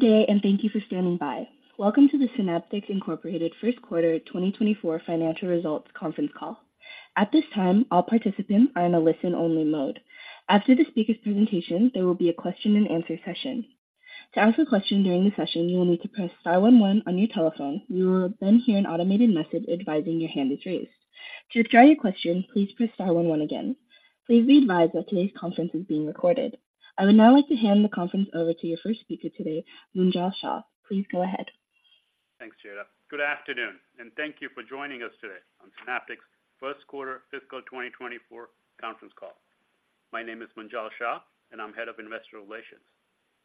Good day, and thank you for standing by. Welcome to the Synaptics Incorporated first quarter 2024 financial results conference call. At this time, all participants are in a listen-only mode. After the speaker's presentation, there will be a question-and-answer session. To ask a question during the session, you will need to press star one one on your telephone. You will then hear an automated message advising your hand is raised. To withdraw your question, please press star one one again. Please be advised that today's conference is being recorded. I would now like to hand the conference over to your first speaker today, Munjal Shah. Please go ahead. Thanks, Jeda. Good afternoon, and thank you for joining us today on Synaptics' first quarter fiscal 2024 conference call. My name is Munjal Shah, and I'm Head of Investor Relations.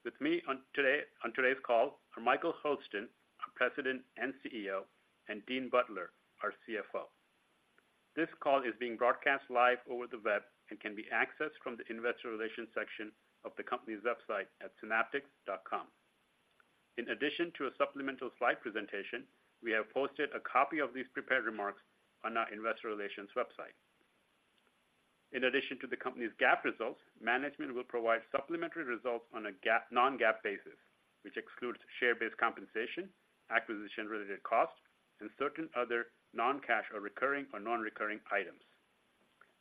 With me on today, on today's call are Michael Hurlston, our President and CEO, and Dean Butler, our CFO. This call is being broadcast live over the web and can be accessed from the investor relations section of the company's website at synaptics.com. In addition to a supplemental slide presentation, we have posted a copy of these prepared remarks on our investor relations website. In addition to the company's GAAP results, management will provide supplementary results on a GAAP-- non-GAAP basis, which excludes share-based compensation, acquisition-related costs, and certain other non-cash or recurring or non-recurring items.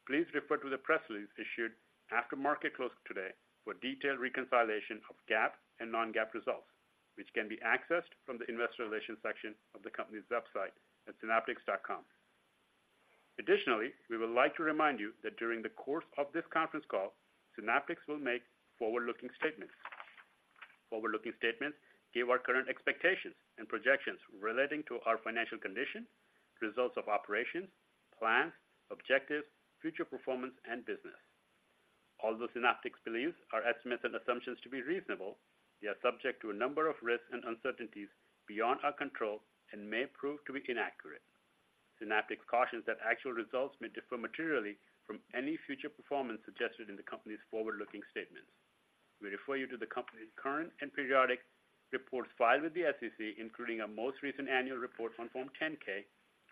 Please refer to the press release issued after market close today for detailed reconciliation of GAAP and non-GAAP results, which can be accessed from the investor relations section of the company's website at synaptics.com. Additionally, we would like to remind you that during the course of this conference call, Synaptics will make forward-looking statements. Forward-looking statements give our current expectations and projections relating to our financial condition, results of operations, plans, objectives, future performance, and business. Although Synaptics believes our estimates and assumptions to be reasonable, they are subject to a number of risks and uncertainties beyond our control and may prove to be inaccurate. Synaptics cautions that actual results may differ materially from any future performance suggested in the company's forward-looking statements. We refer you to the company's current and periodic reports filed with the SEC, including our most recent annual report on Form 10-K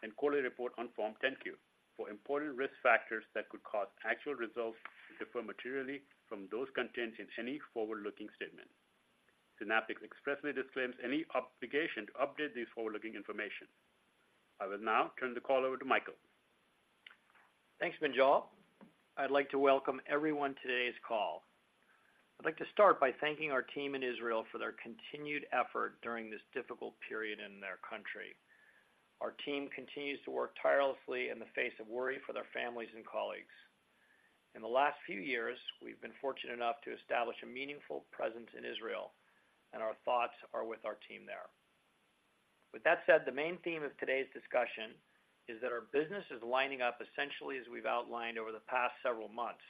and quarterly report on Form 10-Q, for important risk factors that could cause actual results to differ materially from those contained in any forward-looking statement. Synaptics expressly disclaims any obligation to update this forward-looking information. I will now turn the call over to Michael. Thanks, Munjal. I'd like to welcome everyone to today's call. I'd like to start by thanking our team in Israel for their continued effort during this difficult period in their country. Our team continues to work tirelessly in the face of worry for their families and colleagues. In the last few years, we've been fortunate enough to establish a meaningful presence in Israel, and our thoughts are with our team there. With that said, the main theme of today's discussion is that our business is lining up essentially as we've outlined over the past several months.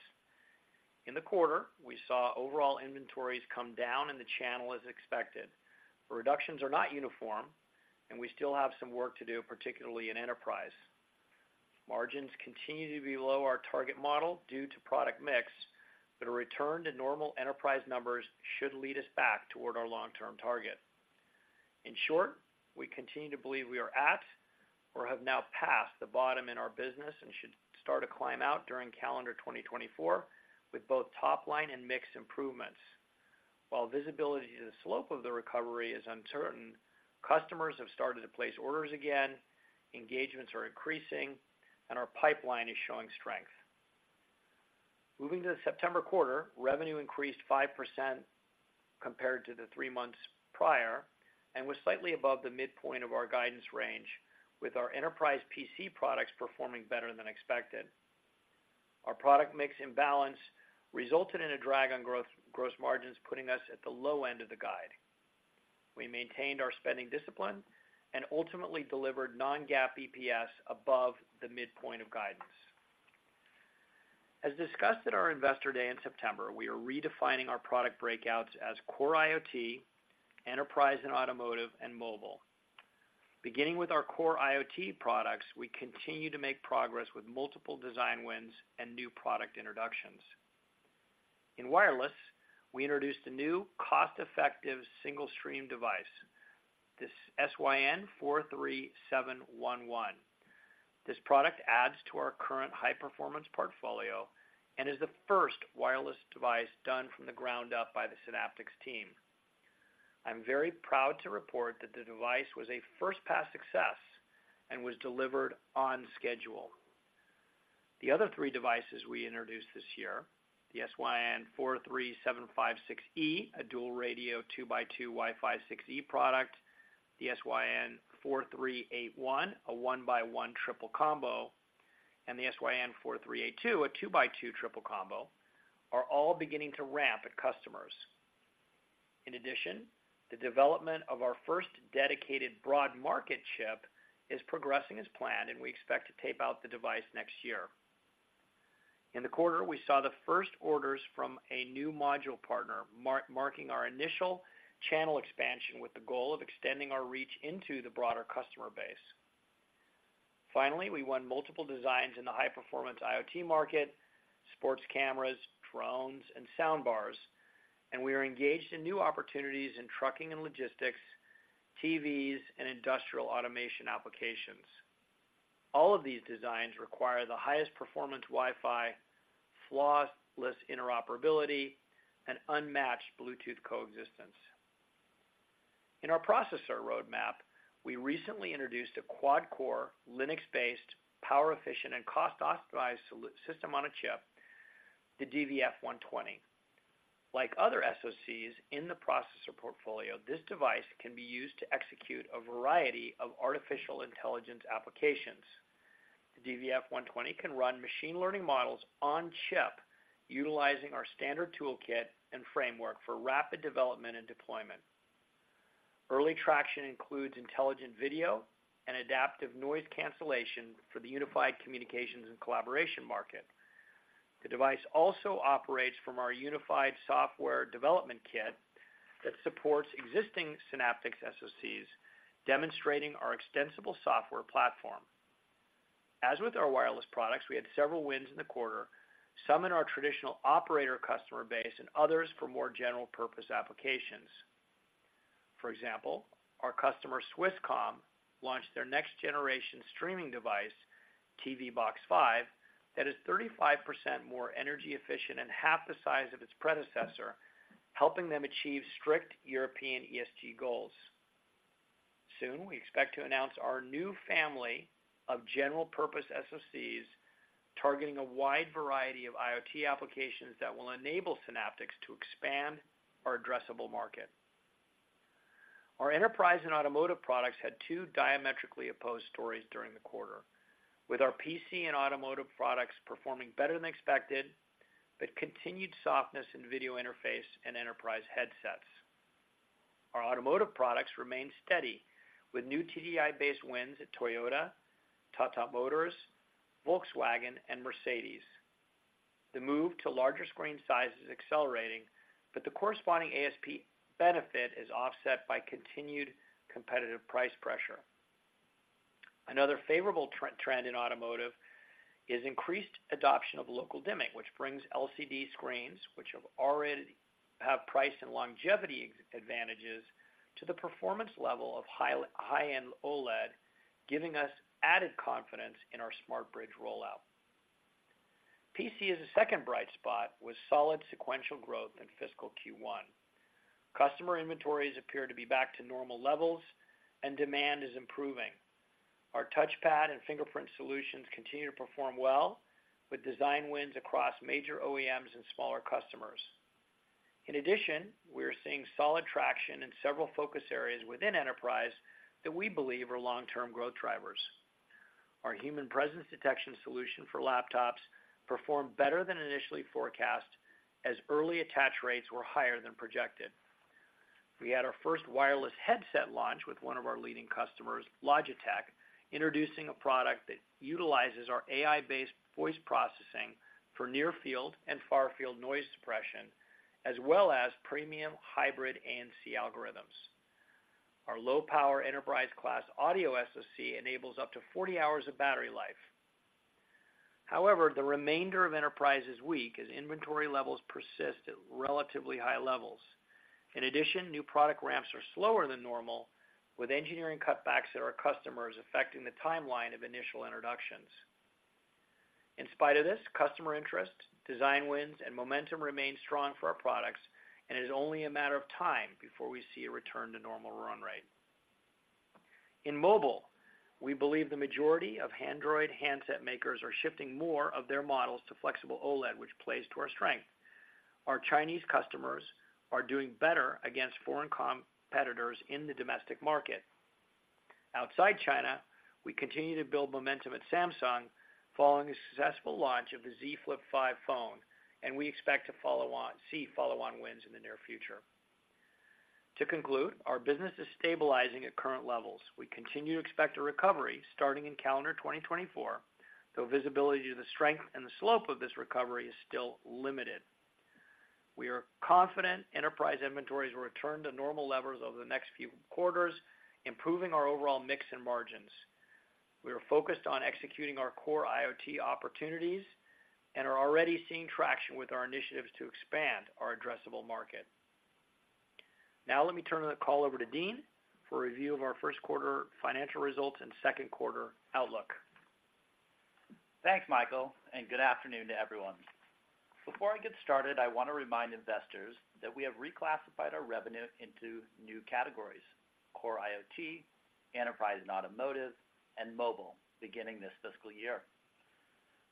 In the quarter, we saw overall inventories come down in the channel as expected. Reductions are not uniform, and we still have some work to do, particularly in Enterprise. Margins continue to be below our target model due to product mix, but a return to normal Enterprise numbers should lead us back toward our long-term target. In short, we continue to believe we are at or have now passed the bottom in our business and should start to climb out during calendar 2024, with both top-line and mix improvements. While visibility to the slope of the recovery is uncertain, customers have started to place orders again, engagements are increasing, and our pipeline is showing strength. Moving to the September quarter, revenue increased 5% compared to the three months prior and was slightly above the midpoint of our guidance range, with our Enterprise PC products performing better than expected. Our product mix imbalance resulted in a drag on gross margins, putting us at the low end of the guide. We maintained our spending discipline and ultimately delivered Non-GAAP EPS above the midpoint of guidance. As discussed at our Investor Day in September, we are redefining our product breakouts as Core IoT, Enterprise and Automotive, and Mobile. Beginning with our Core IoT products, we continue to make progress with multiple design wins and new product introductions. In wireless, we introduced a new cost-effective single-stream device, this SYN43711. This product adds to our current high-performance portfolio and is the first wireless device done from the ground up by the Synaptics team. I'm very proud to report that the device was a first-pass success and was delivered on schedule. The other three devices we introduced this year, the SYN43756E, a dual-radio two-by-two Wi-Fi 6E product, the SYN4381, a one-by-one triple combo, and the SYN4382, a two-by-two triple combo, are all beginning to ramp at customers. In addition, the development of our first dedicated broad market chip is progressing as planned, and we expect to tape out the device next year. In the quarter, we saw the first orders from a new module partner, marking our initial channel expansion with the goal of extending our reach into the broader customer base. Finally, we won multiple designs in the high-performance IoT market, sports cameras, drones, and soundbars, and we are engaged in new opportunities in trucking and logistics, TVs, and industrial automation applications. All of these designs require the highest performance Wi-Fi, flawless interoperability, and unmatched Bluetooth coexistence. In our processor roadmap, we recently introduced a quad-core, Linux-based, power-efficient, and cost-optimized system on a chip, the DVF120. Like other SoCs in the processor portfolio, this device can be used to execute a variety of artificial intelligence applications. The DVF120 can run machine learning models on chip, utilizing our standard toolkit and framework for rapid development and deployment. Early traction includes intelligent video and adaptive noise cancellation for the unified communications and collaboration market. The device also operates from our unified software development kit that supports existing Synaptics SoCs, demonstrating our extensible software platform. As with our wireless products, we had several wins in the quarter, some in our traditional operator customer base and others for more general purpose applications. For example, our customer, Swisscom, launched their next-generation streaming device, TV-Box 5, that is 35% more energy efficient and half the size of its predecessor, helping them achieve strict European ESG goals. Soon, we expect to announce our new family of general purpose SoCs, targeting a wide variety of IoT applications that will enable Synaptics to expand our addressable market. Our Enterprise and Automotive products had two diametrically opposed stories during the quarter, with our PC and Automotive products performing better than expected, but continued softness in video interface and Enterprise headsets. Our Automotive products remained steady, with new TDDI-based wins at Toyota, Tata Motors, Volkswagen, and Mercedes. The move to larger screen size is accelerating, but the corresponding ASP benefit is offset by continued competitive price pressure. Another favorable trend in Automotive is increased adoption of local dimming, which brings LCD screens, which have already price and longevity advantages, to the performance level of high-end OLED, giving us added confidence in our SmartBridge rollout. PC is a second bright spot, with solid sequential growth in fiscal Q1. Customer inventories appear to be back to normal levels, and demand is improving. Our touchpad and fingerprint solutions continue to perform well with design wins across major OEMs and smaller customers. In addition, we're seeing solid traction in several focus areas within Enterprise that we believe are long-term growth drivers. Our human presence detection solution for laptops performed better than initially forecast, as early attach rates were higher than projected. We had our first wireless headset launch with one of our leading customers, Logitech, introducing a product that utilizes our AI-based voice processing for near-field and far-field noise suppression, as well as premium hybrid ANC algorithms. Our low-power Enterprise-class audio SoC enables up to 40 hours of battery life. However, the remainder of Enterprise is weak as inventory levels persist at relatively high levels. In addition, new product ramps are slower than normal, with engineering cutbacks at our customers affecting the timeline of initial introductions. In spite of this, customer interest, design wins, and momentum remain strong for our products, and it is only a matter of time before we see a return to normal run rate. In Mobile, we believe the majority of Android handset makers are shifting more of their models to flexible OLED, which plays to our strength. Our Chinese customers are doing better against foreign competitors in the domestic market. Outside China, we continue to build momentum at Samsung, following the successful launch of the Z Flip 5 phone, and we expect to see follow-on wins in the near future. To conclude, our business is stabilizing at current levels. We continue to expect a recovery starting in calendar 2024, though visibility to the strength and the slope of this recovery is still limited. We are confident Enterprise inventories will return to normal levels over the next few quarters, improving our overall mix and margins. We are focused on executing our core IoT opportunities and are already seeing traction with our initiatives to expand our addressable market. Now, let me turn the call over to Dean for a review of our first quarter financial results and second quarter outlook. Thanks, Michael, and good afternoon to everyone. Before I get started, I want to remind investors that we have reclassified our revenue into new categories: Core IoT, Enterprise and Automotive, and Mobile, beginning this fiscal year.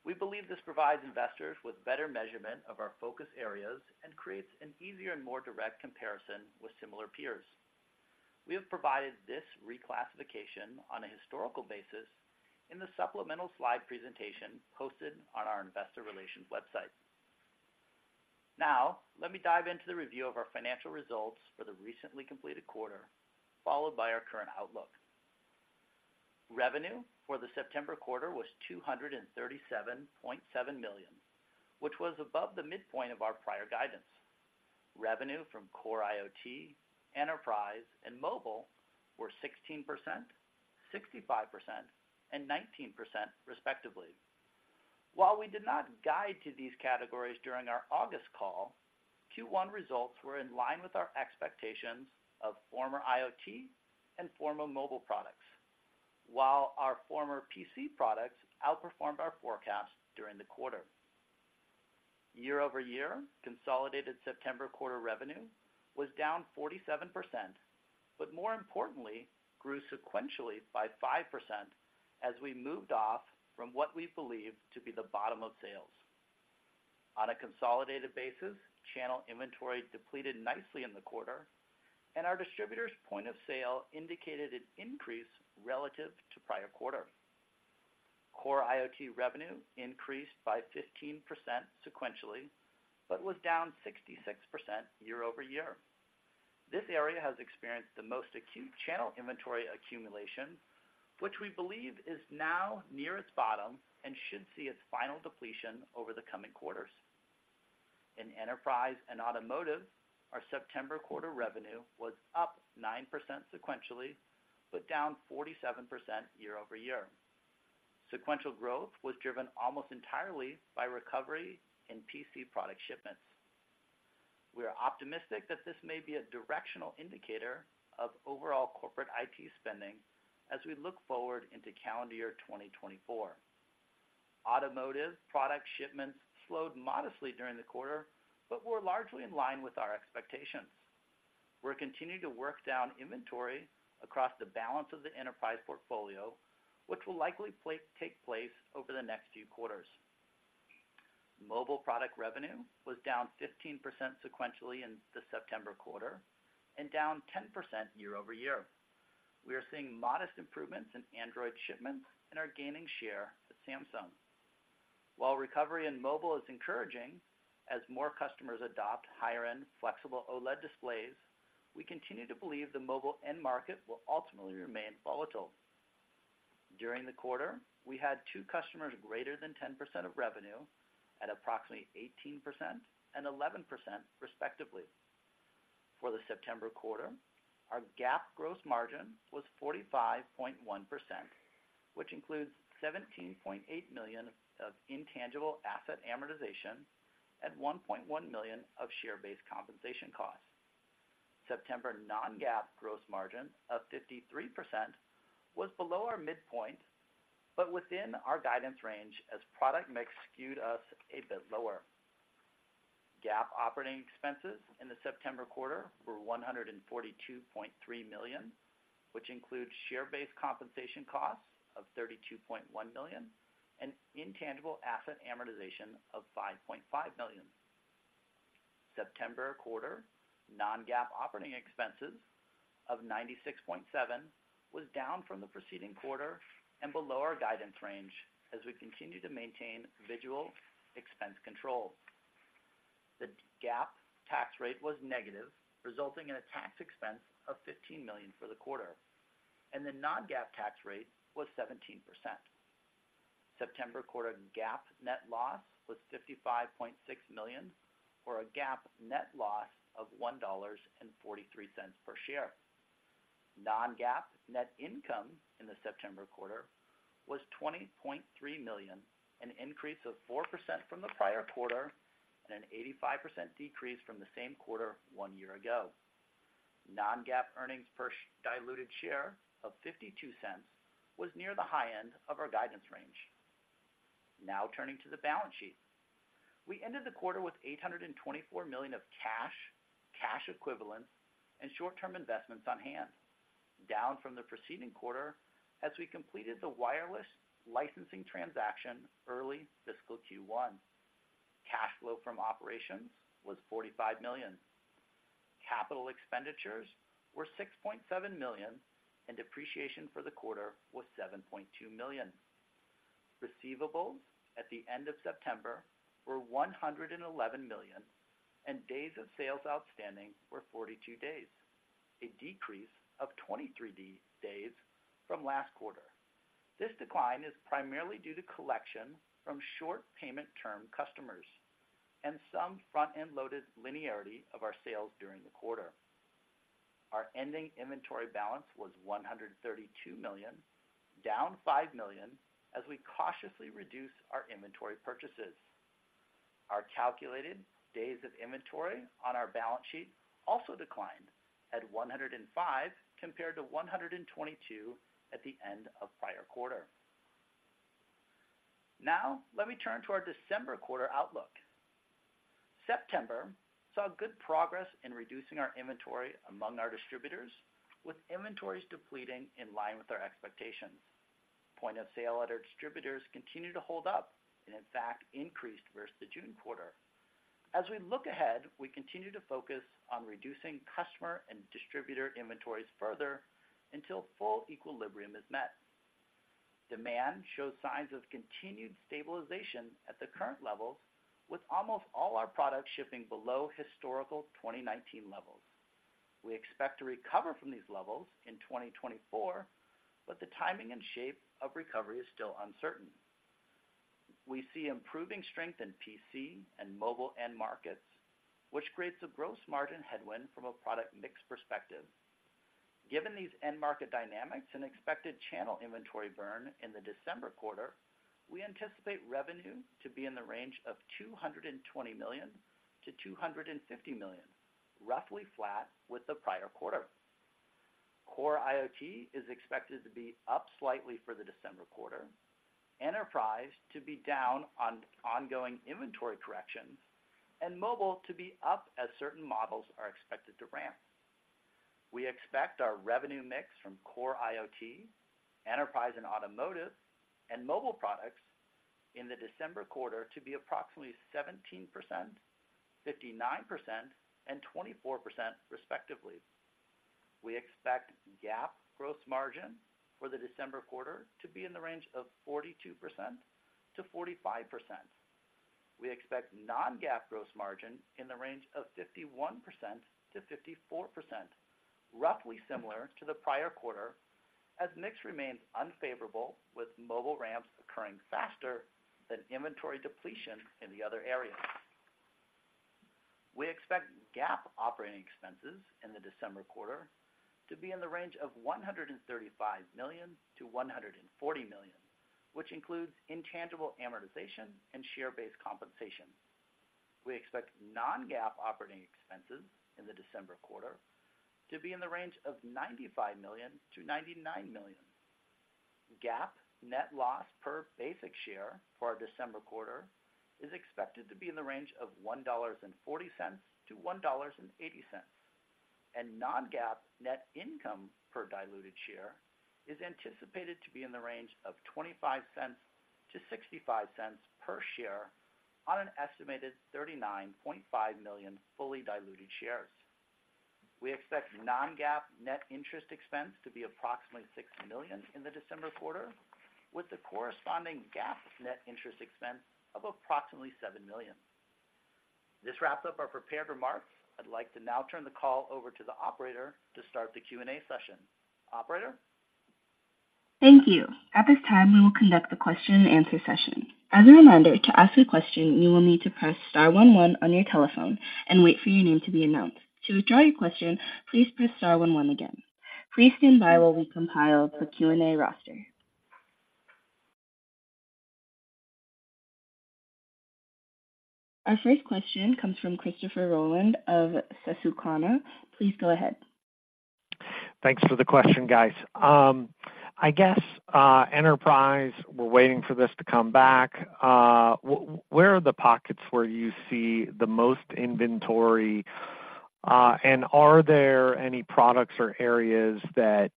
We believe this provides investors with better measurement of our focus areas and creates an easier and more direct comparison with similar peers. We have provided this reclassification on a historical basis in the supplemental slide presentation posted on our investor relations website. Now, let me dive into the review of our financial results for the recently completed quarter, followed by our current outlook. Revenue for the September quarter was $237.7 million, which was above the midpoint of our prior guidance. Revenue from Core IoT, Enterprise, and Mobile were 16%, 65%, and 19%, respectively. While we did not guide to these categories during our August call, Q1 results were in line with our expectations of former IoT and former mobile products, while our former PC products outperformed our forecast during the quarter. Year-over-year, consolidated September quarter revenue was down 47%, but more importantly, grew sequentially by 5% as we moved off from what we believe to be the bottom of sales. On a consolidated basis, channel inventory depleted nicely in the quarter, and our distributors' point of sale indicated an increase relative to prior quarter. Core IoT revenue increased by 15% sequentially, but was down 66% year-over-year. This area has experienced the most acute channel inventory accumulation, which we believe is now near its bottom and should see its final depletion over the coming quarters. In Enterprise and Automotive, our September quarter revenue was up 9% sequentially, but down 47% year-over-year. Sequential growth was driven almost entirely by recovery in PC product shipments. We are optimistic that this may be a directional indicator of overall corporate IT spending as we look forward into calendar year 2024. Automotive product shipments slowed modestly during the quarter, but were largely in line with our expectations. We're continuing to work down inventory across the balance of the Enterprise portfolio, which will likely take place over the next few quarters. Mobile product revenue was down 15% sequentially in the September quarter and down 10% year-over-year. We are seeing modest improvements in Android shipments and are gaining share with Samsung. While recovery in Mobile is encouraging, as more customers adopt higher-end flexible OLED displays, we continue to believe the Mobile end market will ultimately remain volatile. During the quarter, we had two customers greater than 10% of revenue at approximately 18% and 11% respectively. For the September quarter, our GAAP gross margin was 45.1%, which includes $17.8 million of intangible asset amortization and $1.1 million of share-based compensation costs. September non-GAAP gross margin of 53% was below our midpoint, but within our guidance range as product mix skewed us a bit lower. GAAP operating expenses in the September quarter were $142.3 million, which includes share-based compensation costs of $32.1 million and intangible asset amortization of $5.5 million. September quarter non-GAAP operating expenses of $96.7 million was down from the preceding quarter and below our guidance range as we continue to maintain vigilant expense control. The GAAP tax rate was negative, resulting in a tax expense of $15 million for the quarter, and the non-GAAP tax rate was 17%. September quarter GAAP net loss was $55.6 million, or a GAAP net loss of $1.43 per share. Non-GAAP net income in the September quarter was $20.3 million, an increase of 4% from the prior quarter and an 85% decrease from the same quarter one year ago. Non-GAAP earnings per diluted share of $0.52 was near the high end of our guidance range. Now turning to the balance sheet. We ended the quarter with $824 million of cash, cash equivalents, and short-term investments on hand, down from the preceding quarter as we completed the wireless licensing transaction early fiscal Q1. Cash flow from operations was $45 million. Capital expenditures were $6.7 million, and depreciation for the quarter was $7.2 million. Receivables at the end of September were $111 million, and days of sales outstanding were 42 days, a decrease of 23 days from last quarter. This decline is primarily due to collection from short payment term customers and some front-end loaded linearity of our sales during the quarter. Our ending inventory balance was $132 million, down $5 million, as we cautiously reduce our inventory purchases. Our calculated days of inventory on our balance sheet also declined at 105, compared to 122 at the end of prior quarter. Now, let me turn to our December quarter outlook. September saw good progress in reducing our inventory among our distributors, with inventories depleting in line with our expectations. Point of sale at our distributors continued to hold up and in fact increased versus the June quarter. As we look ahead, we continue to focus on reducing customer and distributor inventories further until full equilibrium is met. Demand shows signs of continued stabilization at the current levels, with almost all our products shipping below historical 2019 levels. We expect to recover from these levels in 2024, but the timing and shape of recovery is still uncertain. We see improving strength in PC and Mobile end markets, which creates a gross margin headwind from a product mix perspective. Given these end market dynamics and expected channel inventory burn in the December quarter, we anticipate revenue to be in the range of $220 million-$250 million, roughly flat with the prior quarter. Core IoT is expected to be up slightly for the December quarter, Enterprise to be down on ongoing inventory corrections, and Mobile to be up as certain models are expected to ramp. We expect our revenue mix from Core IoT, Enterprise and Automotive, and Mobile products in the December quarter to be approximately 17%, 59%, and 24%, respectively. We expect GAAP gross margin for the December quarter to be in the range of 42%-45%. We expect non-GAAP gross margin in the range of 51%-54%, roughly similar to the prior quarter, as mix remains unfavorable, with Mobile ramps occurring faster than inventory depletion in the other areas. We expect GAAP operating expenses in the December quarter to be in the range of $135 million-$140 million, which includes intangible amortization and share-based compensation. We expect non-GAAP operating expenses in the December quarter to be in the range of $95 million-$99 million. GAAP net loss per basic share for our December quarter is expected to be in the range of ($1.40)-($1.80). Non-GAAP net income per diluted share is anticipated to be in the range of $0.25-$0.65 per share on an estimated 39.5 million fully diluted shares. We expect non-GAAP net interest expense to be approximately $6 million in the December quarter, with the corresponding GAAP net interest expense of approximately $7 million. This wraps up our prepared remarks. I'd like to now turn the call over to the operator to start the Q&A session. Operator? Thank you. At this time, we will conduct the question-and-answer session. As a reminder, to ask a question, you will need to press star one one on your telephone and wait for your name to be announced. To withdraw your question, please press star one one again. Please stand by while we compile the Q&A roster. Our first question comes from Christopher Rolland of Susquehanna. Please go ahead. Thanks for the question, guys. I guess, Enterprise, we're waiting for this to come back. Where are the pockets where you see the most inventory? And are there any products or areas that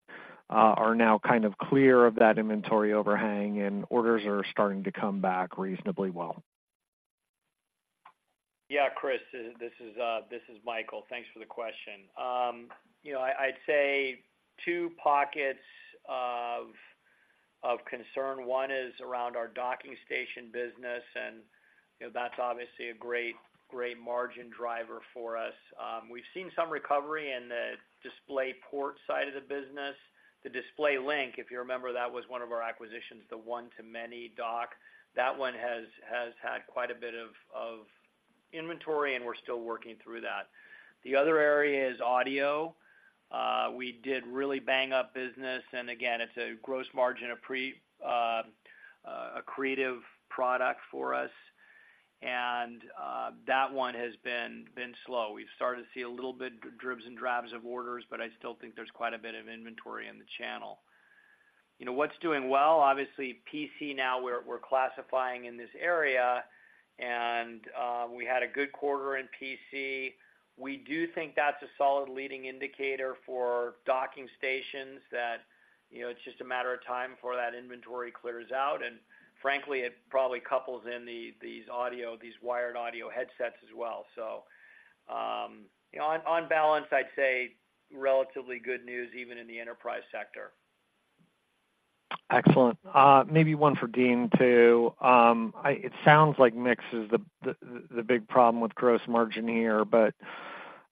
are now kind of clear of that inventory overhang and orders are starting to come back reasonably well? Yeah, Chris, this is Michael. Thanks for the question. You know, I'd say two pockets of concern: one is around our docking station business, and, you know, that's obviously a great margin driver for us. We've seen some recovery in the DisplayPort side of the business. The DisplayLink, if you remember, that was one of our acquisitions, the one-to-many dock. That one has had quite a bit of inventory, and we're still working through that. The other area is audio. We did really bang-up business, and again, it's a gross margin of a creative product for us, and that one has been slow. We've started to see a little bit dribs and drabs of orders, but I still think there's quite a bit of inventory in the channel. You know, what's doing well? Obviously, PC now, we're classifying in this area, and we had a good quarter in PC. We do think that's a solid leading indicator for docking stations that, you know, it's just a matter of time before that inventory clears out, and frankly, it probably couples in these wired audio headsets as well. So, on balance, I'd say relatively good news, even in the Enterprise sector. Excellent. Maybe one for Dean, too. It sounds like mix is the big problem with gross margin here, but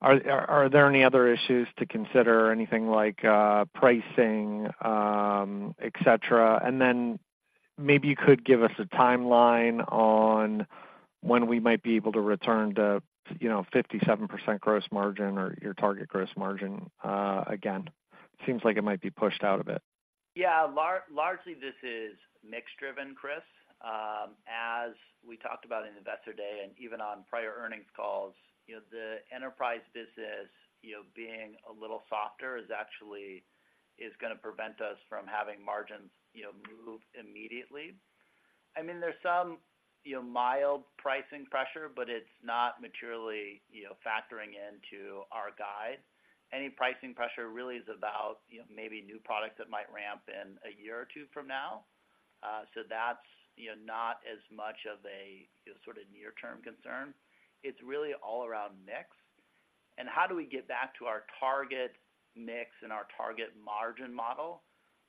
are there any other issues to consider, anything like pricing, et cetera? And then maybe you could give us a timeline on when we might be able to return to, you know, 57% gross margin or your target gross margin, again? Seems like it might be pushed out a bit. Yeah, largely, this is mix-driven, Chris. As we talked about in Investor Day and even on prior earnings calls, you know, the Enterprise business, you know, being a little softer, is actually, is gonna prevent us from having margins, you know, move immediately. I mean, there's some, you know, mild pricing pressure, but it's not materially, you know, factoring into our guide. Any pricing pressure really is about, you know, maybe new products that might ramp in a year or two from now. So that's, you know, not as much of a, sort of near-term concern. It's really all around mix. And how do we get back to our target mix and our target margin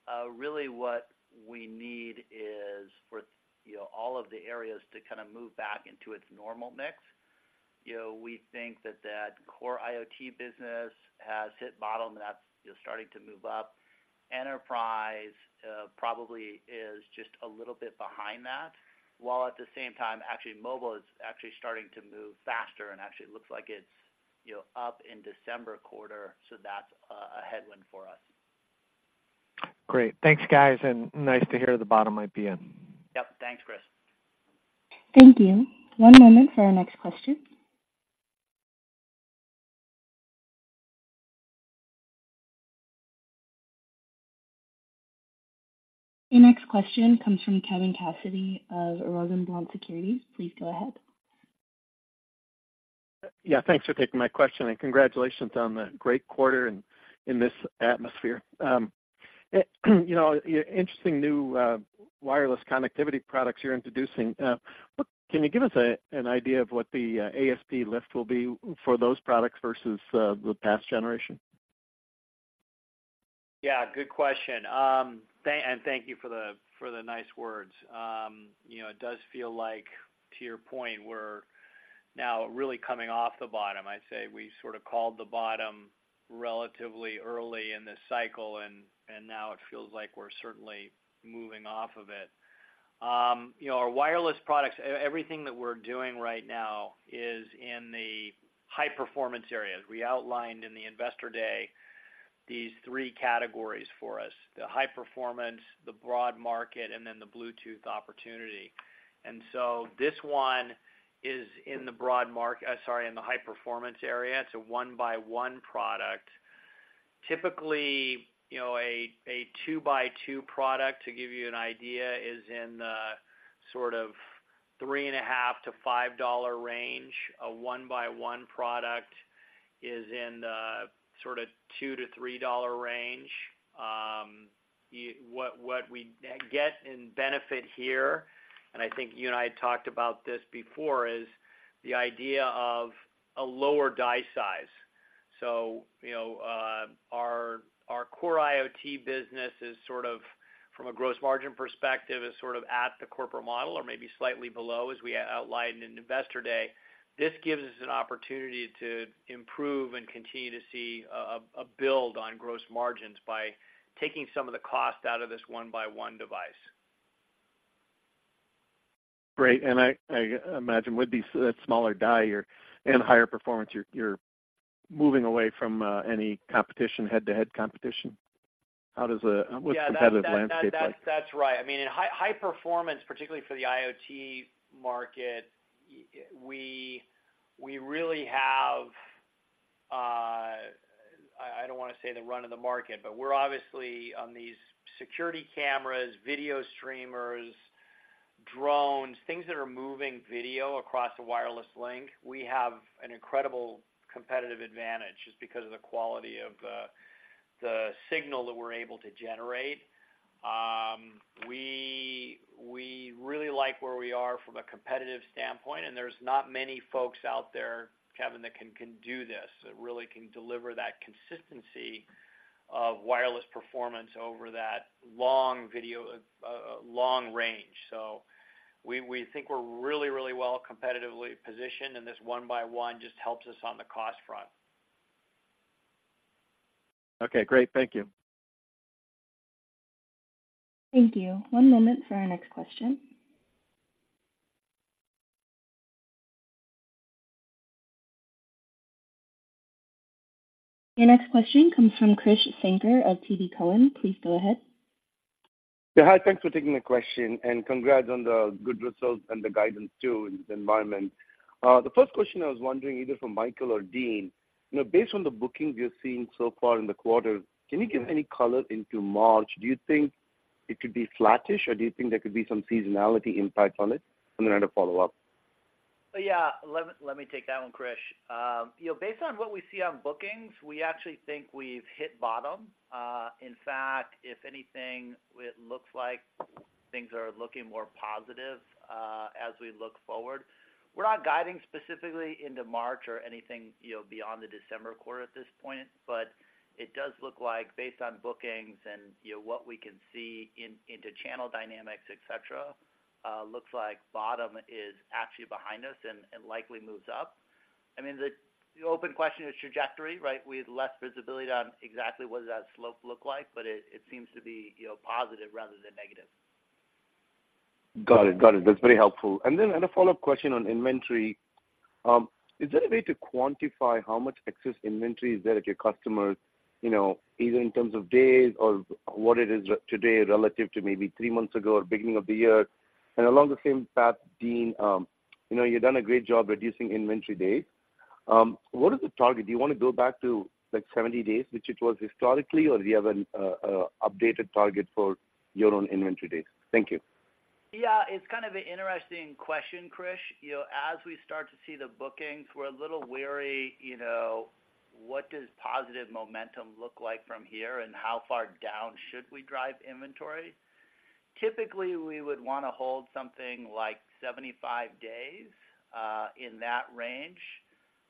model? Really what we need is for, you know, all of the areas to kinda move back into its normal mix. You know, we think that that core IoT business has hit bottom, and that's just starting to move up. Enterprise, probably is just a little bit behind that, while at the same time, actually, Mobile is actually starting to move faster, and actually it looks like it's, you know, up in December quarter, so that's a headwind for us. Great. Thanks, guys, and nice to hear the bottom might be in. Yep. Thanks, Chris. Thank you. One moment for our next question. Your next question comes from Kevin Cassidy of Rosenblatt Securities. Please go ahead. Yeah, thanks for taking my question, and congratulations on the great quarter in this atmosphere. You know, interesting new wireless connectivity products you're introducing. What can you give us an idea of what the ASP lift will be for those products versus the past generation? Yeah, good question. Thank, and thank you for the, for the nice words. You know, it does feel like, to your point, we're now really coming off the bottom. I'd say we sort of called the bottom relatively early in this cycle, and now it feels like we're certainly moving off of it. You know, our wireless products, everything that we're doing right now is in the high-performance areas. We outlined in the Investor Day, these three categories for us: the high performance, the broad market, and then the Bluetooth opportunity. And so this one is in the broad market, sorry, in the high-performance area. It's a one-by-one product. Typically, you know, a two-by-two product, to give you an idea, is in the sort of $3.5-$5 range. A one-by-one product is in the sort of $2-$3 range. What we get in benefit here, and I think you and I had talked about this before, is the idea of a lower die size. So, you know, our core IoT business is sort of, from a gross margin perspective, at the corporate model or maybe slightly below, as we outlined in Investor Day. This gives us an opportunity to improve and continue to see a build on gross margins by taking some of the cost out of this one-by-one device. Great, and I, I imagine with these, smaller die and higher performance, you're, you're moving away from, any competition, head-to-head competition. What's the competitive landscape like? That's, that's right. I mean, in high, high performance, particularly for the IoT market, we, we really have, I don't wanna say the run of the market, but we're obviously on these security cameras, video streamers, drones, things that are moving video across a wireless link, we have an incredible competitive advantage, just because of the quality of the signal that we're able to generate. We, we really like where we are from a competitive standpoint, and there's not many folks out there, Kevin, that can do this, that really can deliver that consistency of wireless performance over that long video, long range. So we, we think we're really, really well competitively positioned, and this one-by-one just helps us on the cost front. Okay, great. Thank you. Thank you. One moment for our next question. Your next question comes from Krish Sankar of TD Cowen. Please go ahead. Yeah, hi, thanks for taking my question, and congrats on the good results and the guidance, too, in this environment. The first question, I was wondering, either from Michael or Dean, you know, based on the bookings you're seeing so far in the quarter, can you give any color into March? Do you think it could be flattish, or do you think there could be some seasonality impact on it? And then I had a follow-up. Yeah, let me take that one, Krish. You know, based on what we see on bookings, we actually think we've hit bottom. In fact, if anything, it looks like things are looking more positive as we look forward. We're not guiding specifically into March or anything, you know, beyond the December quarter at this point, but it does look like, based on bookings and, you know, what we can see in, into channel dynamics, et cetera, looks like bottom is actually behind us and likely moves up. I mean, the open question is trajectory, right? We have less visibility on exactly what does that slope look like, but it seems to be, you know, positive rather than negative. Got it. Got it. That's very helpful. And then I had a follow-up question on inventory. Is there a way to quantify how much excess inventory is there at your customers, you know, either in terms of days or what it is today, relative to maybe three months ago or beginning of the year? And along the same path, Dean, you know, you've done a great job reducing inventory days. What is the target? Do you wanna go back to, like, 70 days, which it was historically, or do you have an updated target for your own inventory days? Thank you. Yeah, it's kind of an interesting question, Krish. You know, as we start to see the bookings, we're a little wary, you know, what does positive momentum look like from here, and how far down should we drive inventory? Typically, we would wanna hold something like 75 days in that range,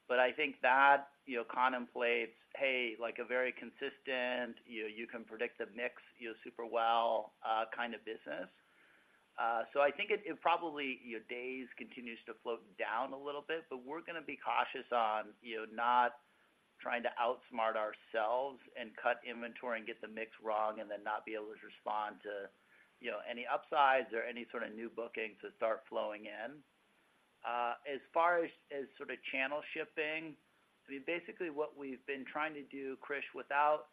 but I think that, you know, contemplates, hey, like, a very consistent, you can predict the mix, you know, super well, kind of business. So I think it probably, you know, days continues to float down a little bit, but we're gonna be cautious on, you know, not trying to outsmart ourselves and cut inventory and get the mix wrong, and then not be able to respond to, you know, any upsides or any sort of new bookings that start flowing in. As far as, as sort of channel shipping, I mean, basically what we've been trying to do, Krish, without,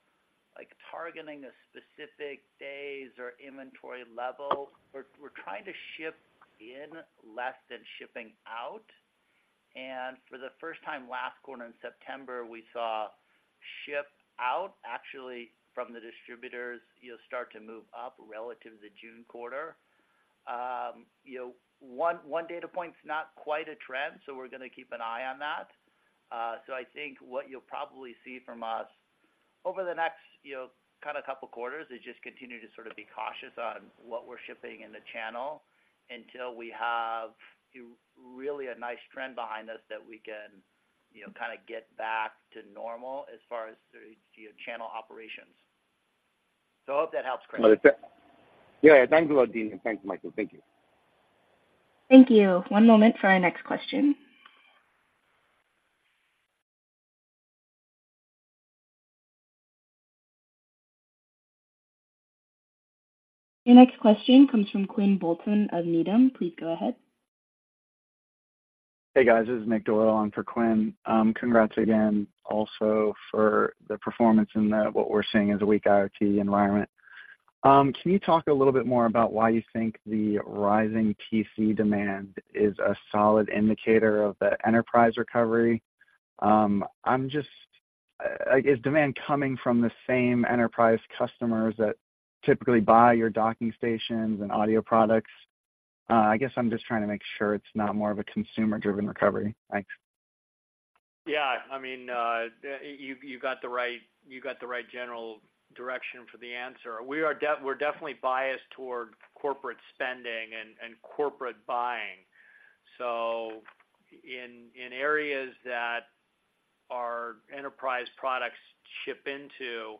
like, targeting a specific days or inventory level, we're trying to ship in less than shipping out. And for the first time last quarter in September, we saw ship out, actually, from the distributors, you know, start to move up relative to the June quarter. You know, one data point's not quite a trend, so we're gonna keep an eye on that. So I think what you'll probably see from us over the next, you know, kind of couple quarters, is just continue to sort of be cautious on what we're shipping in the channel, until we have, really a nice trend behind us that we can, you know, kind of get back to normal as far as the, you know, channel operations. So I hope that helps, Krish. No, that's it. Yeah, yeah, thanks a lot, Dean, and thanks, Michael. Thank you. Thank you. One moment for our next question. Your next question comes from Quinn Bolton of Needham. Please go ahead. Hey, guys. This is Nick Doyle in for Quinn. Congrats again also for the performance in the what we're seeing as a weak IoT environment. Can you talk a little bit more about why you think the rising PC demand is a solid indicator of the Enterprise recovery? I'm just is demand coming from the same Enterprise customers that typically buy your docking stations and audio products? I guess I'm just trying to make sure it's not more of a consumer-driven recovery. Thanks. Yeah, I mean, you got the right general direction for the answer. We're definitely biased toward corporate spending and corporate buying. So in areas that our Enterprise products ship into,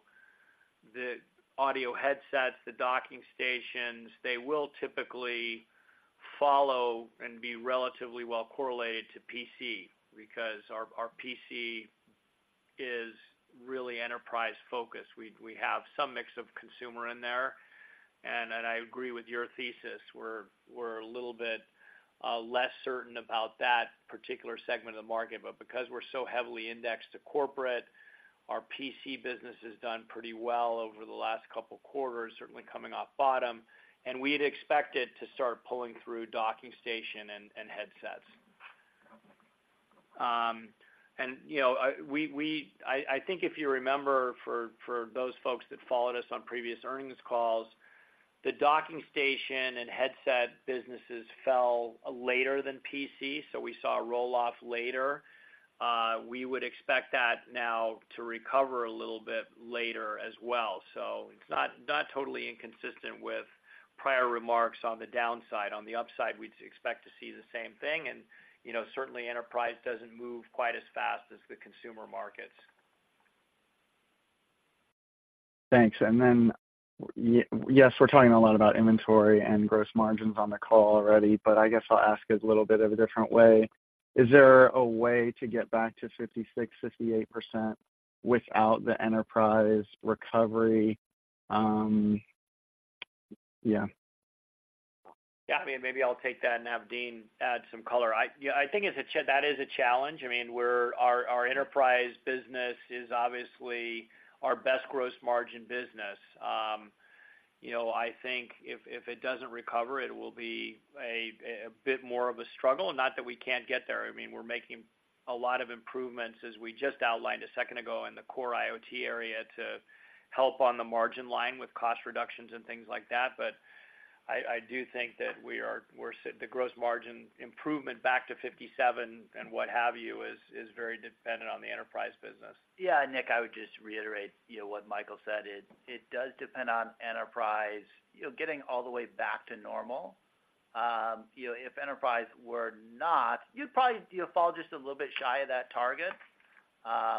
the audio headsets, the docking stations, they will typically follow and be relatively well correlated to PC, because our PC is really Enterprise-focused. We have some mix of consumer in there, and I agree with your thesis. We're a little bit less certain about that particular segment of the market, but because we're so heavily indexed to corporate, our PC business has done pretty well over the last couple quarters, certainly coming off bottom, and we'd expect it to start pulling through docking station and headsets. And, you know, I think if you remember, for those folks that followed us on previous earnings calls, the docking station and headset businesses fell later than PC, so we saw a roll-off later. We would expect that now to recover a little bit later as well. So it's not totally inconsistent with prior remarks on the downside. On the upside, we'd expect to see the same thing, and, you know, certainly Enterprise doesn't move quite as fast as the consumer markets. Thanks. And then, yes, we're talking a lot about inventory and gross margins on the call already, but I guess I'll ask it a little bit of a different way: Is there a way to get back to 56%-58% without the Enterprise recovery? Yeah. Yeah, I mean, maybe I'll take that and have Dean add some color. I, yeah, I think that is a challenge. I mean, our Enterprise business is obviously our best gross margin business. You know, I think if, if it doesn't recover, it will be a bit more of a struggle, not that we can't get there. I mean, we're making a lot of improvements, as we just outlined a second ago, in the Core IoT area to help on the margin line with cost reductions and things like that. But I do think that we're seeing the gross margin improvement back to 57% and what have you is very dependent on the Enterprise business. Yeah, Nick, I would just reiterate, you know, what Michael said. It does depend on Enterprise, you know, getting all the way back to normal. You know, if Enterprise were not, you'd probably, you know, fall just a little bit shy of that target,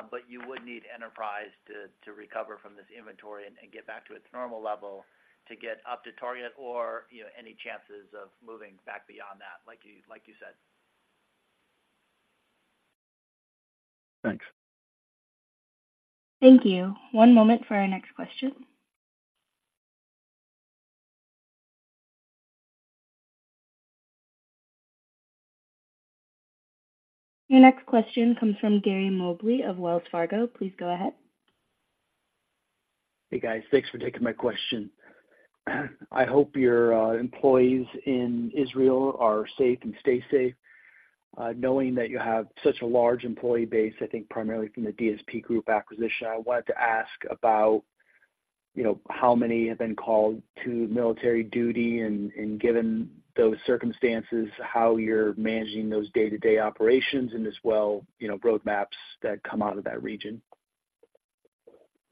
but you would need Enterprise to recover from this inventory and get back to its normal level to get up to target or, you know, any chances of moving back beyond that, like you said. Thanks. Thank you. One moment for our next question. Your next question comes from Gary Mobley of Wells Fargo. Please go ahead. Hey, guys. Thanks for taking my question. I hope your employees in Israel are safe and stay safe. Knowing that you have such a large employee base, I think primarily from the DSP Group acquisition, I wanted to ask about, you know, how many have been called to military duty, and given those circumstances, how you're managing those day-to-day operations, and as well, you know, roadmaps that come out of that region?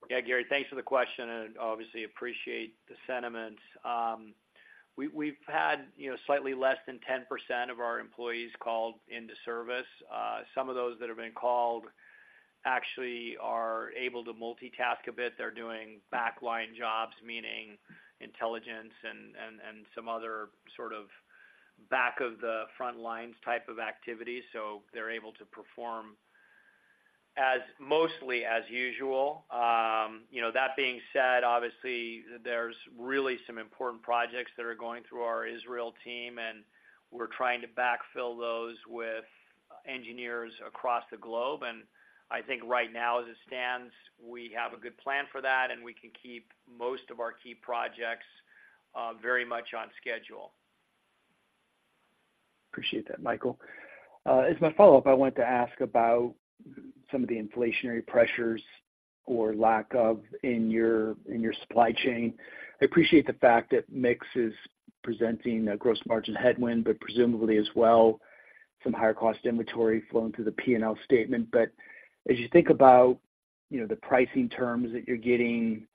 Yeah, Gary, thanks for the question, and obviously appreciate the sentiments. We've had, you know, slightly less than 10% of our employees called into service. Some of those that have been called actually are able to multitask a bit. They're doing back line jobs, meaning intelligence and some other sort of back of the front lines type of activities, so they're able to perform mostly as usual. You know, that being said, obviously, there's really some important projects that are going through our Israel team, and we're trying to backfill those with engineers across the globe. And I think right now, as it stands, we have a good plan for that, and we can keep most of our key projects very much on schedule. Appreciate that, Michael. As my follow-up, I wanted to ask about some of the inflationary pressures or lack of, in your, in your supply chain. I appreciate the fact that mix is presenting a gross margin headwind, but presumably as well, some higher cost inventory flowing through the P&L statement. But as you think about, you know, the pricing terms that you're getting,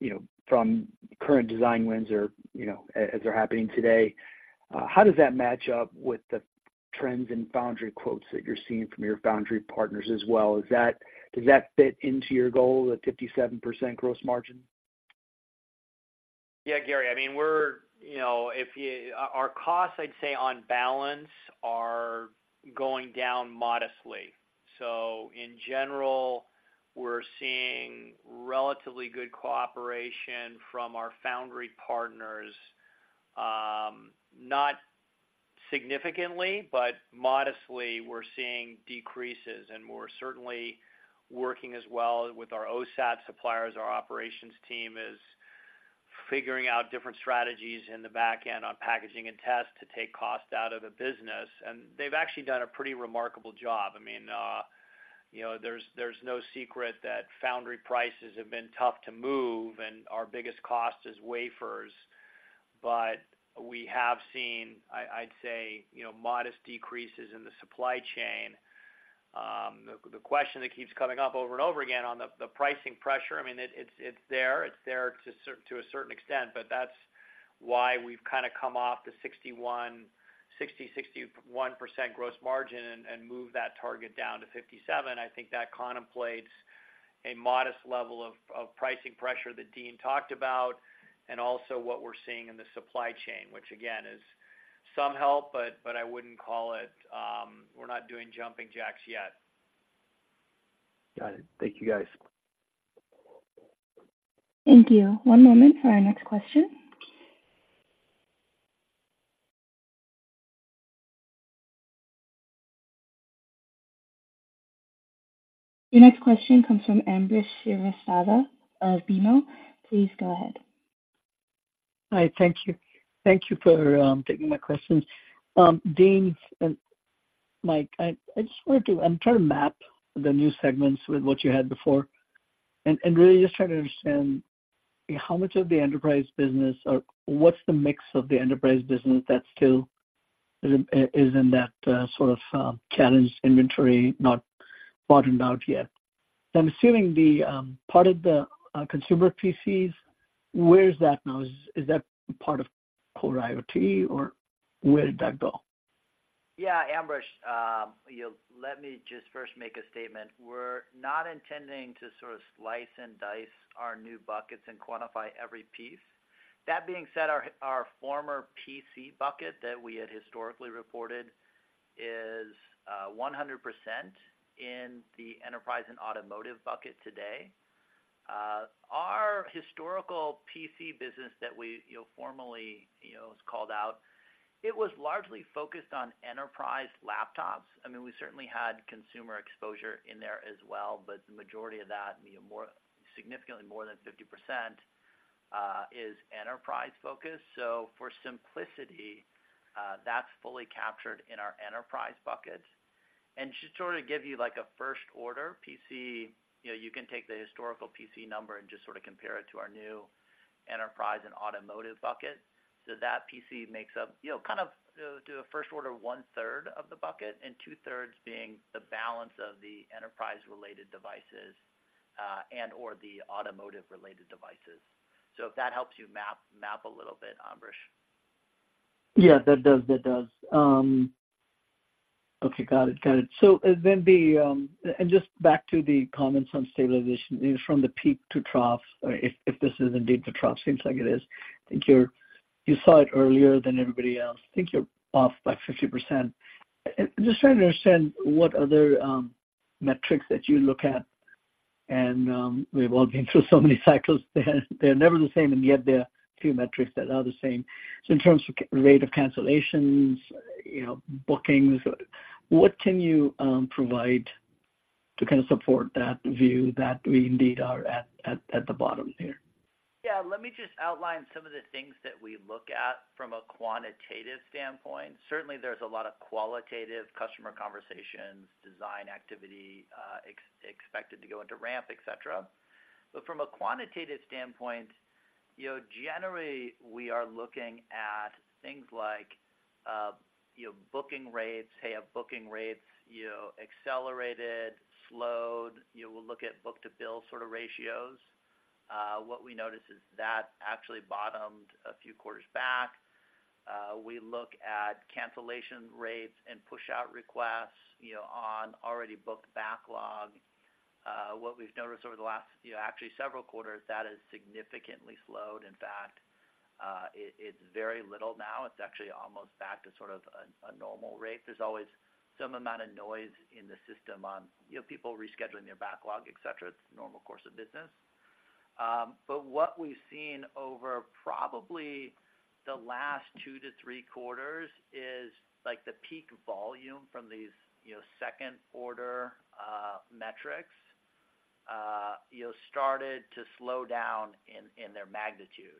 you know, from current design wins or, you know, as they're happening today, how does that match up with the trends in foundry quotes that you're seeing from your foundry partners as well? Is that—does that fit into your goal of 57% gross margin? Yeah, Gary, I mean, we're, you know, our costs, I'd say, on balance, are going down modestly. So in general, we're seeing relatively good cooperation from our foundry partners, not significantly, but modestly, we're seeing decreases, and we're certainly working as well with our OSAT suppliers. Our operations team is figuring out different strategies in the back end on packaging and test to take cost out of the business, and they've actually done a pretty remarkable job. I mean, you know, there's no secret that foundry prices have been tough to move, and our biggest cost is wafers. But we have seen, I'd say, you know, modest decreases in the supply chain. The question that keeps coming up over and over again on the pricing pressure, I mean, it's there. It's there to a certain extent, but that's why we've kind of come off the 61, 60, 61% gross margin and moved that target down to 57. I think that contemplates a modest level of pricing pressure that Dean talked about, and also what we're seeing in the supply chain, which, again, is some help, but I wouldn't call it, we're not doing jumping jacks yet. Got it. Thank you, guys. Thank you. One moment for our next question. Your next question comes from Ambrish Srivastava of BMO. Please go ahead. Hi, thank you. Thank you for taking my questions. Dean and Mike, I just wanted to, I'm trying to map the new segments with what you had before, and really just trying to understand how much of the Enterprise business, or what's the mix of the Enterprise business that still is in, is in that sort of challenged inventory, not bottomed out yet. I'm assuming the part of the consumer PCs, where is that now? Is that part of core IoT, or where did that go? Yeah, Ambrish, let me just first make a statement. We're not intending to sort of slice and dice our new buckets and quantify every piece. That being said, our former PC bucket that we had historically reported is 100% in the Enterprise and Automotive bucket today. Our historical PC business that we, you know, formally, you know, called out, it was largely focused on Enterprise laptops. I mean, we certainly had consumer exposure in there as well, but the majority of that, you know, significantly more than 50%, is Enterprise focused. So for simplicity, that's fully captured in our Enterprise bucket. And just to sort of give you, like, a first order PC, you know, you can take the historical PC number and just sort of compare it to our new Enterprise and Automotive bucket. So that PC makes up, you know, kind of, to a first order, one-third of the bucket, and two-thirds being the balance of the Enterprise-related devices, and/or the Automotive-related devices. So if that helps you map a little bit, Ambrish. Yeah, that does, that does. Okay, got it. Got it. So then, just back to the comments on stabilization, from the peak to trough, or if this is indeed the trough, seems like it is. I think you saw it earlier than everybody else. I think you're off by 50%. I just trying to understand what other metrics that you look at, and, we've all been through so many cycles. They're never the same, and yet there are a few metrics that are the same. So in terms of rate of cancellations, you know, bookings, what can you provide to kind of support that view that we indeed are at the bottom here? Yeah, let me just outline some of the things that we look at from a quantitative standpoint. Certainly, there's a lot of qualitative customer conversations, design activity, expected to go into ramp, et cetera. But from a quantitative standpoint, you know, generally, we are looking at things like, you know, booking rates. Hey, have booking rates, you know, accelerated, slowed? You know, we'll look at book-to-bill sort of ratios. What we noticed is that actually bottomed a few quarters back. We look at cancellation rates and push-out requests, you know, on already booked backlog. What we've noticed over the last, you know, actually several quarters, that has significantly slowed. In fact, it's very little now. It's actually almost back to sort of a normal rate. There's always some amount of noise in the system on, you know, people rescheduling their backlog, et cetera. It's normal course of business. But what we've seen over probably the last two to three quarters is, like, the peak volume from these, you know, second-order metrics, you know, started to slow down in their magnitude.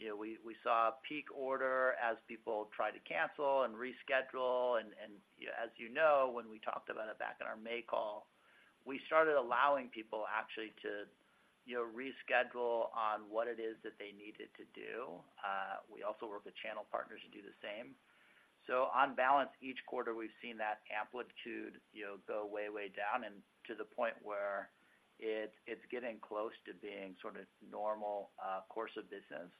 You know, we saw a peak order as people tried to cancel and reschedule, and you know, as you know, when we talked about it back in our May call, we started allowing people actually to, you know, reschedule on what it is that they needed to do. We also work with channel partners to do the same. So on balance, each quarter we've seen that amplitude, you know, go way, way down, and to the point where it's getting close to being sort of normal course of business.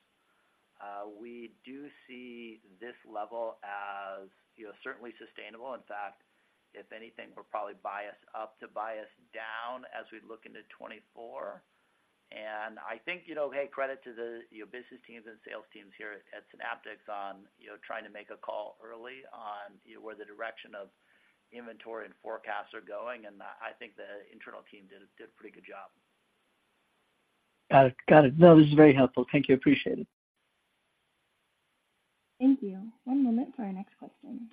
We do see this level as, you know, certainly sustainable. In fact, if anything, we're probably biased up to bias down as we look into 2024. And I think, you know, hey, credit to the, you know, business teams and sales teams here at Synaptics on, you know, trying to make a call early on, you know, where the direction of inventory and forecasts are going, and I think the internal team did a pretty good job. Got it. Got it. No, this is very helpful. Thank you. Appreciate it. Thank you. One moment for our next question.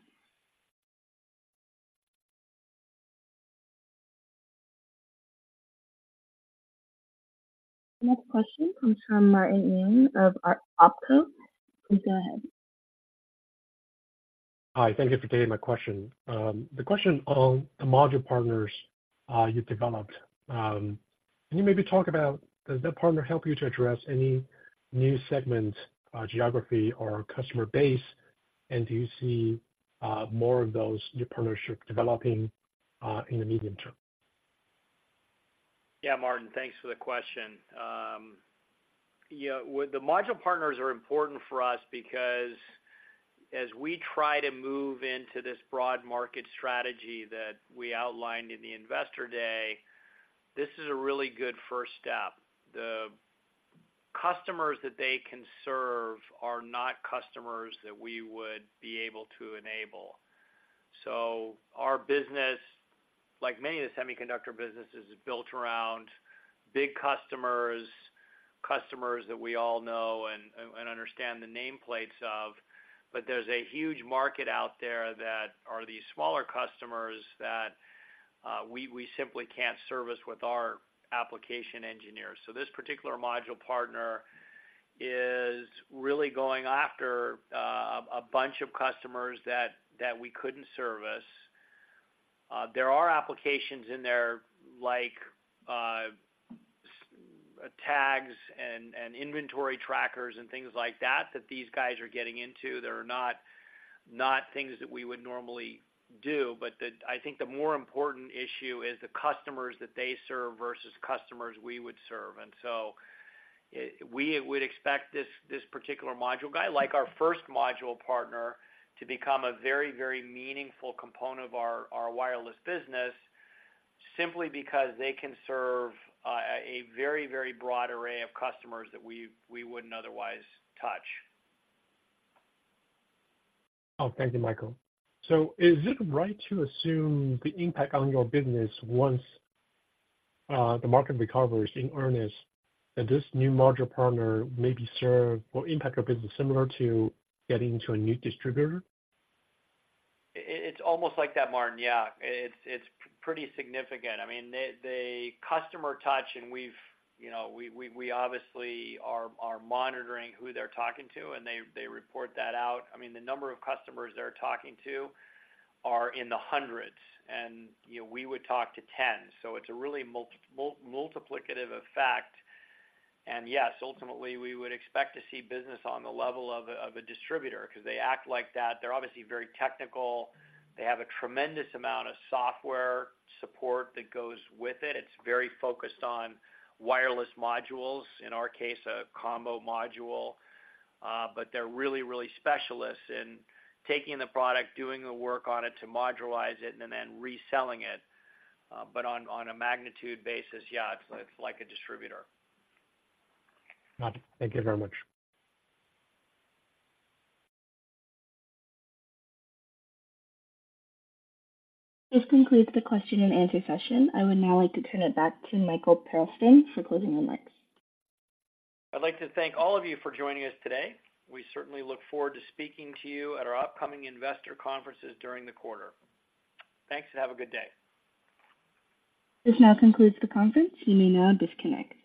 Next question comes from Martin Yang of OpCo. Please go ahead. Hi, thank you for taking my question. The question on the module partners you developed, can you maybe talk about, does that partner help you to address any new segment, geography or customer base? And do you see more of those, new partnership developing in the medium term? Yeah, Martin, thanks for the question. Yeah, well, the module partners are important for us because as we try to move into this broad market strategy that we outlined in the Investor Day, this is a really good first step. The customers that they can serve are not customers that we would be able to enable. So our business, like many of the semiconductor businesses, is built around big customers, customers that we all know and, and understand the nameplates of, but there's a huge market out there that are these smaller customers that, we, we simply can't service with our application engineers. So this particular module partner is really going after a bunch of customers that, that we couldn't service. There are applications in there like tags and inventory trackers and things like that that these guys are getting into that are not things that we would normally do, but I think the more important issue is the customers that they serve versus customers we would serve. So we would expect this particular module guy, like our first module partner, to become a very, very meaningful component of our wireless business, simply because they can serve a very, very broad array of customers that we wouldn't otherwise touch. Oh, thank you, Michael. So is it right to assume the impact on your business once the market recovers in earnest, that this new module partner may serve or impact your business similar to getting to a new distributor? It's almost like that, Martin, yeah. It's, it's pretty significant. I mean, they, the customer touch, and we've, you know, we obviously are monitoring who they're talking to, and they report that out. I mean, the number of customers they're talking to are in the hundreds, and, you know, we would talk to tens, so it's a really multiplicative effect. And yes, ultimately, we would expect to see business on the level of a, of a distributor because they act like that. They're obviously very technical. They have a tremendous amount of software support that goes with it. It's very focused on wireless modules, in our case, a combo module, but they're really, really specialists in taking the product, doing the work on it to modularize it, and then reselling it. But on a magnitude basis, yeah, it's like a distributor. Got it. Thank you very much. This concludes the question and answer session. I would now like to turn it back to Michael Hurlston for closing remarks. I'd like to thank all of you for joining us today. We certainly look forward to speaking to you at our upcoming investor conferences during the quarter. Thanks, and have a good day. This now concludes the conference. You may now disconnect.